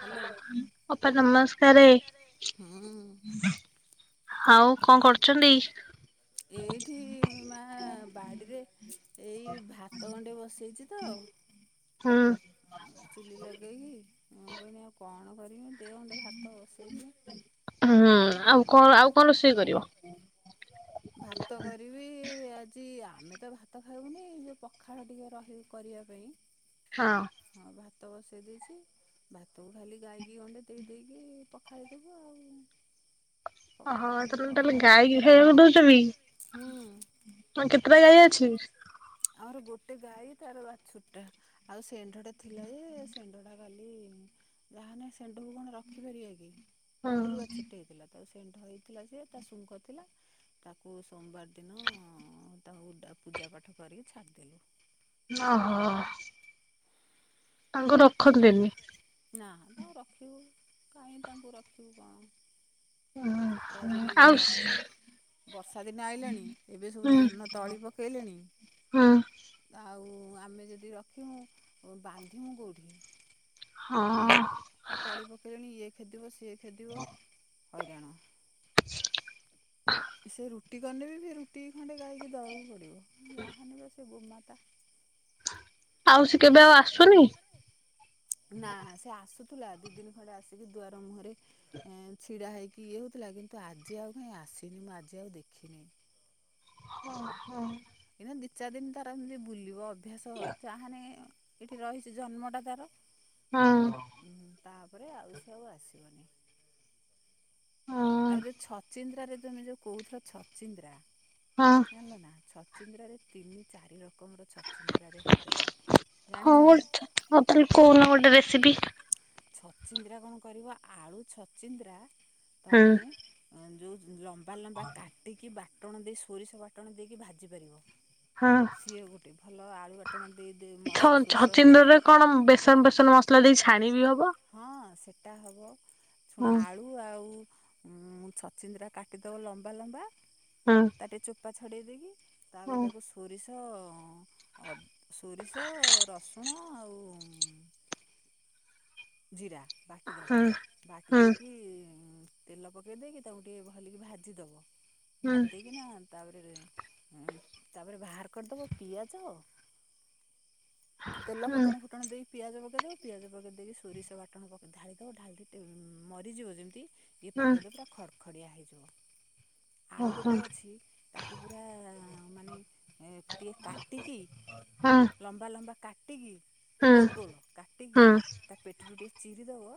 Hello ଅପା ନମସ୍କାରେ। ହୁଁ। ଆଉ କଣ କରୁଛନ୍ତି। ଏଇଠି ମା ବାଡ଼ିରେ ଏଇ ଭାତ ଗଣ୍ଣ୍ଡେ ବସେଇଛି ତ। [inaudible] ହୁଁ। ଆଉ ଚୁଲି ଲଗେଇକି ମୁଁ କହନି ଆଉ କଣ କରିବି। ଦେ ଗଣ୍ଡେ ଭାତ ବସେଇ ଦିଏ। ହୁଁ ଆଉ କଣ ଆଉ କଣ ରୋଷେଇ କରିବ? ଭାତ କରିବି ଆ। ଆଜି ଆମେ ତ ଭାତ ଖାଇାବୁନି ଯୋଉ ପଖାଳ ଟିକେ ରହିବ କରିବା ପାଇଁ। ହଁ। ହଁ ଭାତ ବସାଇ ଦେଇଛି ଭାତକୁ ଖାଲି ଗାଈକି ଗଣ୍ଡେ ଦେଇ ଦେଇେଇକି ପଖାଇଦବୁ ଆଉ। ଓହୋ ତ ତାହେଲେ ପଖାଳ ଗା। କାଢ଼ି ଛ ବି ହୁଁ କେତେଟା ଗାଈ ଅଛି। ଆମର ଗୋଟେ ଗାଈ ତାର ବା ଛୁଟା ଆଉ ସେଣ୍ଢ ଟା ଥିଲା ଯେ ସେଣ୍ଢ ଟା କଲି। ତାହେଲେ ସେଣ୍ଣ୍ଡକୁ କଣ ରଖିପାରିବା କି। ହଁ ଅଣ୍ଣ୍ଡରୁଆ ଛୁଟି ହେଇଥିଲା ତା ସେଣ୍ଟ ହେଇଥିଲା ସିଏ ତା ଶୁଙ୍ଖ ଥିଲା। ତାକୁ ସୋମବାର ଦିନ ତାକୁ ପୂଜା ପାଠ କରିକି ଛାଡିଦେଲୁ। ଓ ହୋ। ତାଙ୍କୁ ରଖନ୍ତିନି। ନା ତା ରଖିବୁ କାହିଁ ତାଙ୍କୁ ରଖିବୁ କଣ? ସେ ହ ଯେତେ ଦିନ ଆଉ ରଖିବୁ ବର୍ଷା ଦିନ ଆଇଲାଣି ଏବେ ସବୁ ହୁଁ ଧାନ ତଳି ପକେଇଲେଣି ହୁଁ ଆଉ ଆମେ ଯଦି ରଖିବୁ [unintelligible] ହଁ ଆଉ ତଳି ପକେଇଲେଣି ଇଏ ଖେଦିବ ସିଏ ଖେଦିବ ହଇରାଣ। ସେ ରୁଟି କନେ ବି ସେ ରୁଟି ଖଣ୍ଡେ ଗାଇକି ଦବାକୁ ପଡିବ। [unintelligible] ଆଉ ସେ କେବେ ଆଉ ଆସୁନି। ଥିଲା ଦି ଦିନ ଖଣ୍ଡେ ଆସିକି ଦୁଆର ମୁହଁରେ ଛିଡା ହେଇକି ଇଏ ହଉଥିଲା କିନ୍ତୁ ଆଜି ଆଉ କାଇଁ ଆ ସିନେମା ଆଜି ଆଉ ଦେଖିନି। ହଁ ହଁ ଏଇନା ଦି ଚାରି ଦିନ ତାର ଏମତି ବୁଲିବ ଅଭ୍ୟାସ ଯହାନେ ଏଇଠି ରହିଛି ଜନ୍ମଟା ତାର ହଁ ତାପରେ ଆଉ ସେ ଆଉ ଆସିବନି। ହଁ ଆଉ ଯୋଉ ଛଚିନ୍ଦ୍ରାରେ ତମେ ଯୋଉ କହୁଥିଲ ଛଚିନ୍ଦ୍ରା ହଁ ଜାଣଲନା। ଛଚିନ୍ଦ୍ରା ରେ ତିନି ଚାରି ଲ ଜାଣିଛ ହଁ ନା ଆଉ ତା କହୁନ ଗୋଟେ ରେସିପି। ଛଚିନ୍ଦ୍ରା କଣ କରିବ ଆଳୁ ଛଚିନ୍ଦ୍ରା ହୁଁ ତମେ ଯେଉଁ ଲ ବା ଲମ୍ବା କାଟିକି ବାଟଣ ଦେଇ ସୋରିଷ ବାଟଣ ଦେଇକି ଭାଜିପାରିବ। ହଁ ସିଏ ଗୋଟେ ଭଲ ଆଳୁ ବାଟଣ ଦେ ଦେ ଛ ସୋରିଷ ଛଚିନ୍ଦ୍ରରେ ଏ ବି ହବ ହଁ ସେ ଟା ହବ ହୁଁ ଆଳୁ ଆଉ ଛଚିନ୍ଦିା କାଟିଦେବ ଲମ୍ବା ଲମ୍ବା ହୁଁ ତାଟେ ଚୋପା ଛଡ଼େଇ ଦେଇକି ତାପରେ ହୁଁ ତାକୁ ସୋରିଷ ଅ ସୋରିଷ ରସୁଣ ଆଉ ଜିରା ହୁଁ ବାଟିଦବ ବାଟି ହୁଁ ଦେଇକି ଉଁ ତେଲ ପକେଇ ଦେଇକି ତାକୁ ଟିକେ ଭଲିକି ଭାଜି ଦବ ଭାଜି ଦେଇକି ନା ତାପରେ ତାପରେ ବାହାର କରିଦବ ପିଆଜ ତେଲ ଫୁଟଣ ଫୁଟଣ ଦେଇକ ପିଆଜ ପକେଇଦବ ପିଆଜ ପକେଇ ଦେଇକି ସୋରିଷ ବାଟଣ ପକ୍ ଢାଳିଦବ ଢାଳି ଦେଇକ ଟିକେ ମରିଯିବ ଯେମିତି ଇଏ ପକେଇଦବ ପୁରା ଖଡ଼ଖଡ଼ିଆ ହେ ଯିବ ଆ ଆଉ ଗୋଟେ ଅଛି ତାକୁ ପୁରା ମାନେ ଟିକିଏ କାଟିକି ଲମ୍ବା ଲମ୍ବା କାଟିିକି ଗୋଲ ଏମିତି ଗୋଲ କାଟିିକି ତା ପେଟରୁ ଟିକେ ଚିରିଦବ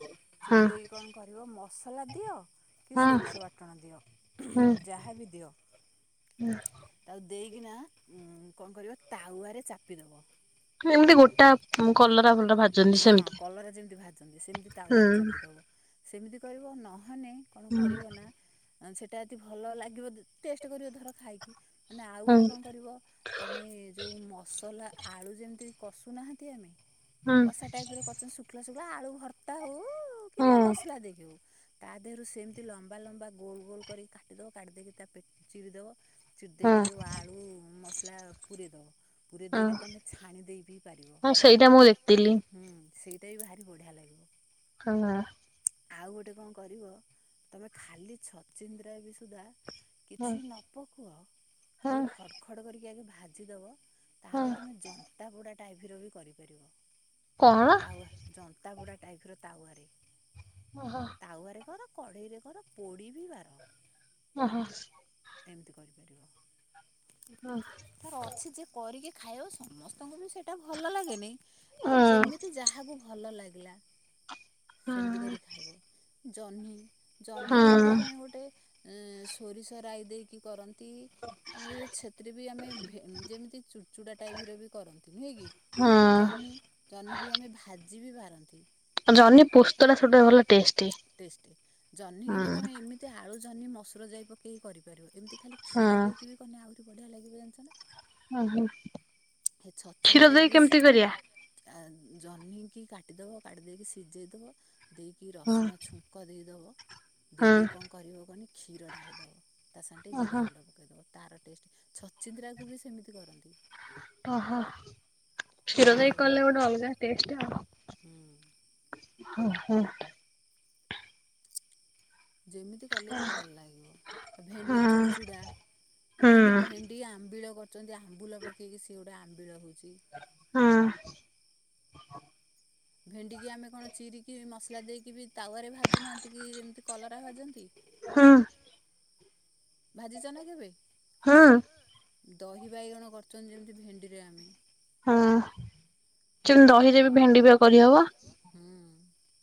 ଚିରି ଦେଇକି କଣ କରିବ ମସଲା ଦିଅ କି ସୋରିଷ ବାଟଣ ଦିଅ ଯାହାବି ଦିଅ ତା ଦେଇକିନା କଣ କରିବ ତାୱା ରେ ଚାପିଦବ ଏମିତି ଗୋଟା କଲରା ଭଲରା ଭାଜନ୍ତି ହଁ ସେମତି। କଲରା ଯେମିତି ଭାଜନ୍ତି ସେମିତି ତାୱାରେ ଚାପିଦବ ସେମିତି କରିବ ନ ହନେ କଣ କରିବ ନା ସେଇଟା ଏତି ଭଲ ଲାଗିବ ଟେଷ୍ଟ କରିବ ଧର ଖାଇକି ମାନେ ଆଉ ହୁଁ ଗୋଟେ କଣ କରିବ ତମେ ଯୋଉ ମସଲା ଆଳୁ ଯେମିତି କଷୁନାହାନ୍ତି ଆମେ ହଁ। ଉଠିଲ ସେଗୁଳା ଆଳୁ ଭର୍ତ୍ତା ହଉ ହୁଁ କିମ୍ବା ମସଲା ଦେଇକି ହଉ ତା ଦେହରୁ ସେମିତି ଲମ୍ବା ଲମ୍ବା ଗୋଲ ଗୋଲ କରିକି କାଟିଦବ କାଟିଦେଇକି ତା ପେ ଚିରିଦବ ଚୁଡ଼ି ହୁଁ ଦେଇକି ଯୋଉ ଆଳୁ ମସଲା ପୁରରେଇଦବ। ପୁରୀ ହୁଁ ଦେଇକି ତମେ ଛାଣି ଦେଇ ବିି ପାରିବ ହଁ ସେଇଟା ମୁଁ ଦେଖିଥିଲି। ହୁଁ। ସେଇଟା ବି ଭାରି ବଢ଼ିଆ ଲାଗିବ। ହ। ଆଉଗୋଟେ କଣ କରିବ ତମେ ଖାଲି ଛଚିନ୍ଦ୍ରୟ କୁ ସୁଦ୍ଦା ହଁ କିଛି ନ ପକ ଆ ହଁ ଖାଲି ଖଡ ଖଡ କରିକି ଆଗେ ଭାଜିଦବ ହଁ ତାପରେ ତମେ ଜନ୍ତାପୁଡ଼ା ଟାଇପ ର ବି କରିପାରିବ। କଣ? ତାୱା ଜନ୍ତା ବୁଡ଼ା ଟାଇପ ର ତାୱରେ ଓହୋ ତାୱରେ କର କଢେଇରେ କର ପୋଡିି ବି ବା। ଓ ହ। ଏମିତି କରିପାରିବ ତାର ଅଛି ଯେ କରିକି ଖାଇବା ସମସ୍ତଙ୍କୁ ବି ସେଇଟା ଭଲ ଲାଗେନି ହଁ ଯେମିତି କାହାକୁ ଭଲ ଲାଗିଲା ସେମିତି କରି ଖାଇବ। ଜହ୍ନି ଜହ୍ନି ହଁ ଯେମିତି ଆମେ ଗୋଟେ ସୋରିଷ ରାଇ ଦେଇକି କରନ୍ତି ଆମେ ଛେଥିରେ ବି ଆମେ ଭେ ଯେମିତି ଚୁଡ଼ଚୁଡ଼ା ଟାଇପର ବି କରନ୍ତି ନୁହେଁ କି? ହଁ ଜହ୍ନି ଜନି ଭାଜି ବି ପାରନ୍ତି। ଜହ୍ନି ପୋସ୍ତଟ ସେଡ଼ା ଭଲ ଟେଷ୍ଟି ଟେଷ୍ଟି। ଜହ୍ନିକି ବି ତମେ ହଁ। ଏମିତି ଆଳୁ ଜହ୍ନି ମସୁର ଯାଇ ପକେଇକି କରିପାରିବ ଏମିତି ଖାଲି କ୍ଷୀର ଦେଇକି କନେ ଆହୁରି ବଢିଆ ଲାଗିବ ଜାଣିଛ ନା। ହଁ ହଁ। ସେ ଛଚୀନ୍ଦ୍ରା କୁ ବି ସି ଆ ଜହ୍ନି କି କାଟିଦେବ କାଟି ଦେଇେକି ସିଝାଇଦବ ଦେଇକି ହଁ ରସୁଣ ଛୁଙ୍କ ଦେଇଦେବ ହଁ ଦିଦି କଣ କରିବ କହନି କ୍ଷୀର ଢାଳିଦବ ତା ସାଙ୍ଗେ ଟିକେ ଜିରା ଓହୋ ଗୁଣ୍ଡ ପକେଇଦବ ତାର ଟେଷ୍ଟ ଛଚିନ୍ଦ୍ରାକୁ ବି ସେମିତି କରନ୍ତି। ଓହୋ କ୍ଷୀର ବଢ଼ିଆ ଦେଇ ଲାଗେ। କଲେ ଗୋଟେ ଅଲଗା ଟେଷ୍ଟ ଆଉ। ହୁଁ। ହ ହଁ। ଯେମିତି କଲେ ବି ଭଲ ଲାଗିବ ଆ ଭେଣ୍ଡି ହଁ ଚୁଡ଼ଚୁଡ଼ା ଆମେ ଯେମିତି ଭେଣ୍ଡି ଆମ୍ବିଳ କରଛନ୍ତି ଆମ୍ବୁଲ ପକେଇକି ସିଏ ଗୋଟେ ଆମ୍ବିଳ ହଉଛି ହଁ। ଭେଣ୍ଡିିକି ଆମେ କଣ ଚିରିକି ମସଲା ଦେଇକି ବି ତାୱାରେ ଭାଜୁନାହାନ୍ତି କି ଏମିତି କଲରା ଭାଜନ୍ତି। ହଁ। ଭାଜିଛ ନା କେବେ? ହଁ ଦହି ବାଇଗଣ କରୁଛନ୍ତି ଯେମିତି ଭେଣ୍ଡିରେ ଆମେ ହଁ ସେମିତି ଦହିରେ ବି ଭେଣ୍ଡି ବିଆ କରିହବ। ହୁଁ [unintelligible]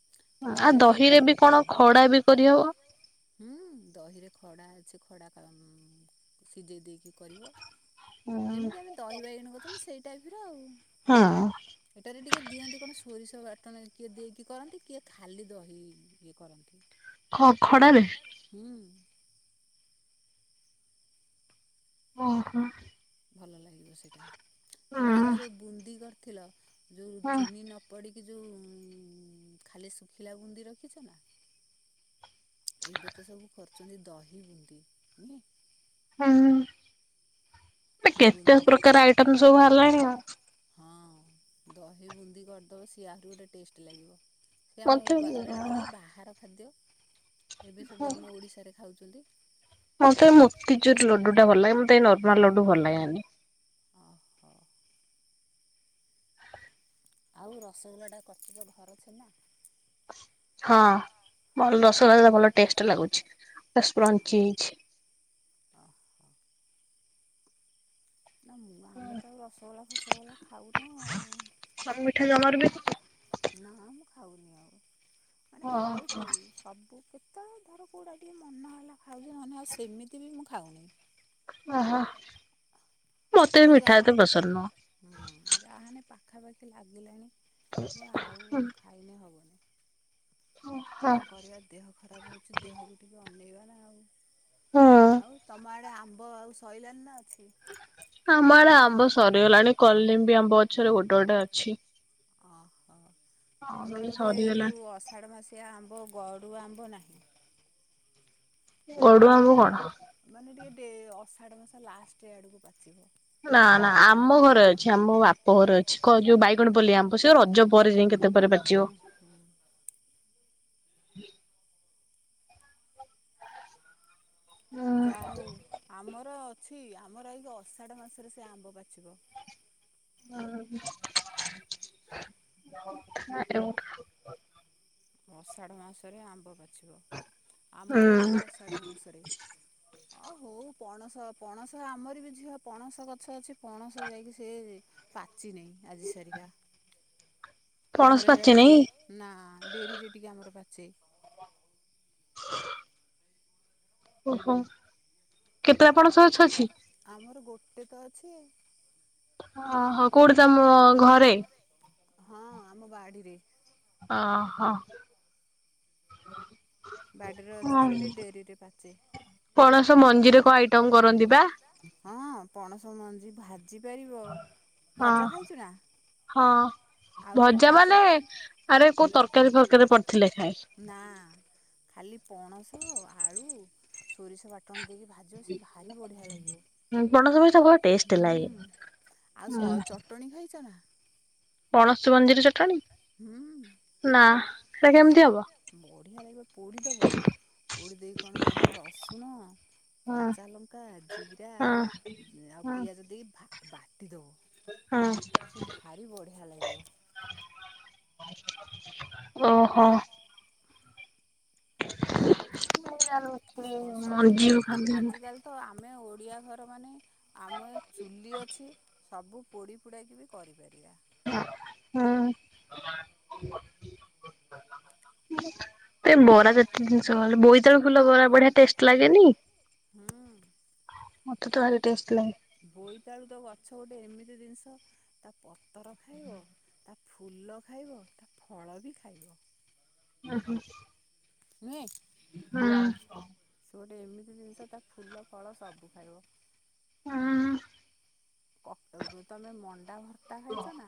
ତମର ଆଜି ଯେଉ ଦହିରେ ଖଡା ବି କରି ହବ ହୁ ଦହିରେ ଖଡା ଅଛି କ ଖଡ଼ା ପା ଉ ସିଝେଇ ଦେଇକି କରିବ। ଯେମିତି ଆମେ ଦହି ବାଇଗଣ କରୁଛନ୍ତି ସେଇ ଟାଇପର ଆଉ ଏଟାରେ ଟିକେ ଦିଅନ୍ତି କଣ ସୋରିଷ। ବାଟଣ କିଏ ଦେଇକି କରନ୍ତି କିଏ ଖାଲି ଦହି ଇଏ କରନ୍ତି। ଖ ଖଡାରେ। ହୁଁ ଓହୋ। ଭଲ ଲାଗିବ ସେଇଟା ତମର ଆଜି ଯେଉ ବୁନ୍ଦି କରିଥିଲ ଯେୋଉ ହଁ ଚିନି ନ ପଡ଼ି କି ଯେଉ ଖାଲି ଶୁଖିଲା ବୁନ୍ଦି ରଖିଛ ନା ଏବେ ତ ସବୁ କରଛନ୍ତି ଦହି ବୁନ୍ଦିୁ ନୁହେଁ। ହୁଁ ସେ କେତେ ବୁନ୍ଦି ପ୍ରକାର ଆଇଟମ ସବୁ ବାହା ରିଲାଣି ଆଉ ହଁ ଦହି ବୁନ୍ଦି କରିଦବ ସି ଆହୁରି ଗୋଟେ ଟେଷ୍ଟ ଲାଗିବ। ସେ ଆମ ମତେ ପାଏଇଟା ପକାଳେ ବାହାର ଖାଦ୍ୟ ଏବେ ସବୁ ଆମ ଓଡ଼ିଶାରେ ଖାଉଛନ୍ତି। ମୋତେ ମୋତିଚୁର ଲଡୁ ଟା ଭଲ ଲାଗେ ମତେ ଏଇ ନର୍ମାଲ ଲଡୁ ଭଲ ଲାଗେନି। ଓହୋ ଆଉ ରସଗୋଲାଟା କରିଚୁତ ଘରଛେ ନା। ହଁ। ଭଲ ରସଗଲା ଭଲ ଟେଷ୍ଟ ଲାଗୁଛି ସ୍ପ୍ରଞ୍ଚି ହେଇଚି। [inaudible] ନା ମୁଁ ଆମେ ତ ଆଉ ରସଗୋଲା ଫସଗୋଲା ଖାଉନୁ ଆଉ ତମର ବି [unintelligible] ନା ମୁଁ ଖାଉନି ଆଉ ମାନେ ହଁ ଖାଉଛି ସବୁ କେତେଳେ ଧର କୋଉଟା ଟିକେ ମନ ହେଲା ଖାଉଛି ମେ ଆଉ ସେମିତି ବି ମୁଁ ଖାଉନି। ଆ ହା। ଦେ ଯା ହଁ ଯାହାାନେ ପାଖାପାଖି ଲାଗିଲାଣି। ଆଉ ଖାଇନେ ହବନି। କଣ କରିବା ଦେହ ଖରାପ ହଉଛି ଦେହକୁ ଟିକେ ଅନେଇବା। ଆଉ ତମ ଆଡେ ଆମ୍ବ ଆଉ ସଇଲାଣିି ନା ଅଛି? ଆମ ଆଡେ ଆମ୍ବ ସରିଗଲାଣି କଲଲିମ୍ବି ଆମ୍ବ ପଛରେ ଗୋଟେ ଗୋଟେ ଅଛି। ଓହୋ ଆଉ ତମର ନହେଲେ ବୋଧେ ଏ ସରିଗଲାଣି ଯେଉ ଅଷାଢମାସିଆ ଆମ୍ବ ଗଡ଼ୁ ଆମ୍ବ ନାହିଁ। ଗଡୁ ଆମ ବଡ଼ ଗୋଟେ ଅଷାଢ଼ ମାସ ଲାଷ୍ଟ ଆଡ଼କୁ ପାଚିବ ନା ନା ଆମ ଘରେ ଅଛି ଆମ ବାପ ଘରେ ଅଛି କ ଯୋଉ ବାଇଗଣ ପଲେଇ ଆମ୍ୱ ସେ ରଜ ପରେ ଯାଇ କେତେ ପରେ ଉଁ ହୁଁ। ପାଚିବ ଯା ହଉ ଆମର ଅଛି ଆମର ଏଇ ଅଷାଢ ମାସରେ ସେ ଆମ୍ବ ପାଚିବ [unintelligible] ଅଷାଢ଼ ମାସରେ ଆମ୍ବ ବାଛିବ ହୁଁ ଆମର ଏକ ଅଷାଢ ମାସରେ ଅ ହଉ ପଣସ ପଣସ ଆମର ବି ଝିଅ ପଣସ ଗଛ ଅଛି ପଣସ ଯାଇକି ସେ ପାଚି ନି ଆଜି ସରିଗା ପଣସ ଆମର ହେ ପାଚିନି ନା ଡେରିରେ ଟିକେ ଆମର ବାଛେ ଓହୋ କେତେ ଆପଣ ଶୋଉଛଛି ତେତ ଅଛି ଓହୋ କୋଉଠି ତମ ଘରେ ହଁ ଆମ ବାଡିରେ ଅହୋ। ବାଡ଼ିରେ ଅଛି ସେଠି ଡେରିରେ ପାଚେ। ପଣସ ମଞ୍ଜିରେ କଣ ଆଇଟମ କରନ୍ତି ବା। ହଁ ପଣସ ମଞ୍ଜି ଭାଜି ପାରିବ ହଁ। ଭଜା ଖାଇଛୁ ନା। ହଁ ଆଉ ଯୋଉ ଭଜା ଖାଇ ଚ ମାନେ ଆରେ କୋଉ ତରକାରୀ ଫରକାରୀ ପଡି ନା ଖାଲି ପଣସ ଆଳୁ ସୋରିଷ ବାଟଣ ଦେଇକି ଭାଜ ସେ ଭାରି ବଢ଼ିଆ ଲାଗିବ। ପଣସ ଟେଷ୍ଟ ହୁଁ ଆଉ ସ ହେ ଚଟଣି ଖାଇଛ ନା? ଲାଗେଁ। ପଣସୀ ମଞ୍ଜିର ଚଟାଣୀ। ହୁଁ କେମିତି ସେ ହବ? ବଢିଆ ଲାଗିବ ପୋଡ଼ିଦବ ପୋଡି ଦେଇକି କଣ କରିବ ରସୁଣ ହଁ କଞ୍ଚା ଲଙ୍କା ଜିରା ହଁ ଆଉ ପିଆଜ ଦେଇକି ବାଟି ଦେବ ହଁ ସେ ଭାରି ବଢ଼ିଆ ଲାଗିବ। ଓହୋ। ଛ ଆଉ କଣ ସବୁ ତ ମର୍ଜି ଓ ଖାନ୍ତି ଆଜିକାଲି ତ ଆମେ ଓଡ଼ିଆ ଘର ମାନେ ଆମର ଚୁଲି ଅଛି ସବୁ ପୋଡ଼ି ପୋଡ଼ାଇକି ବି କରିପାରିବା। ହୁଁ। ଏ ବରା ଯେତେ ଜିନିଷ ଗଲେ ବୋଇତାଳ ଫୁଲ ବରା ବଢିଆ ଟେଷ୍ଟ ଲାଗେନି। ହୁଁ। ମତେ ତ ଭାରି ଟେଷ୍ଟ ଲାଗେ। ବୋଇତାଳୁ ତ ଗଛ ଗୋଟେ ଏମିତି ଜିନିଷ ତା ପତର ଖାଇବ ହୁଁ। ତା ଫୁଲ ଖାଇବ ତା ଫଳ ବି ଖାଇବ। ଓ ହୋ। [inaudible] ହଁ। ସେ ଗୋଟେ ଏମିତି ଜିନିଷ ତା ଫୁଲ ଫଳ ସବୁ ଖାଇବ। [unintelligible] ଏବେ ତମେ ମଣ୍ଡା ଭର୍ତ୍ତା ଖାଇଛ ନା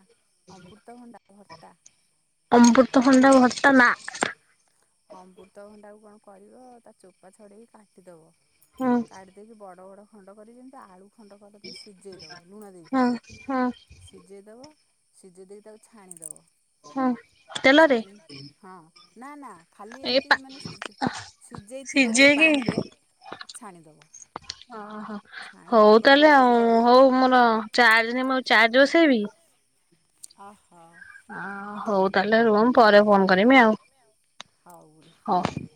ଅମୃତ ଭଣ୍ଡା ଭର୍ତ୍ତା? ଅମ୍ବୃତ ଖଣ୍ଡା ଭର୍ତ୍ତା ନା। ଅମୃତଭଣ୍ଡାକୁ କଣ କରିବ ତା ଚୋପା ଛଡ଼େଇକି କାଟିଦବ ହୁଁ କାଢି ଦେଇେଇକି ବଡ ବଡ ଖଣ୍ଡ କରି ଯେମିତି ଆଳୁ ଖଣ୍ଡ କର ସିଝେଇ ସେଇ ଦେବ ଲୁଣ ଦେଇକି ହୁଁ ହୁଁ ସିଝେଇ ଦେବ ସିଝେଇ ଦେଇକି ତାକୁ ଛାଣିଦବ। ହଁ। ଛାଣ ହଁ ନା ନା ଖାଲି ଏ ଏମିତି ପା ମାନେ ସିଝେଇଥିବ ଯୋଉ ପା ସିଝେଇକି ପାଣିରେ ଛାଣିଦବ। ଓହୋ ଛାଣି ହଉ ଦେଇକି କଣ ତାହେଲେ କରିବୁ ଆଉ ହଉ ମୋର ଚାର୍ଜ ନାହିଁ ଚାର୍ଜ ବସେଇବି ଅହୋ। ଆ ହଉ ତାହେଲେ ରୁହ ପରେ ଫୋନ୍ କର କରିମି ଆଉ ହଉ ବୁଢ଼ୀ ହଉ।